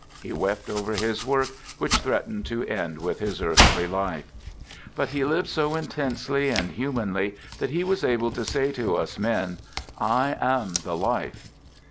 He wept over His work which threatened to end with His earthly life. But He lived so in tensely and humanly that He was able to say to us men, " I am the life."